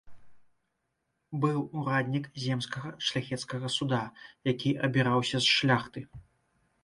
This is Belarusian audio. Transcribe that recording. Быў ураднік земскага шляхецкага суда, які абіраўся з шляхты.